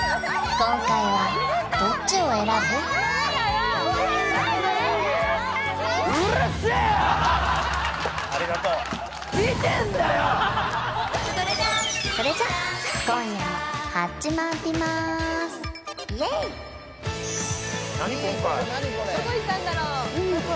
今回どこ行ったんだろう？